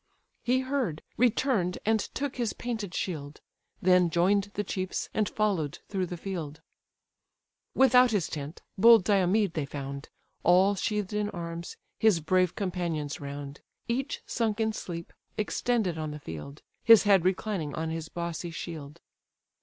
He heard, return'd, and took his painted shield; Then join'd the chiefs, and follow'd through the field. Without his tent, bold Diomed they found, All sheathed in arms, his brave companions round: Each sunk in sleep, extended on the field, His head reclining on his bossy shield.